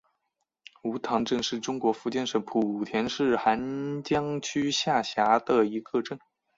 梧塘镇是中国福建省莆田市涵江区下辖的一个镇。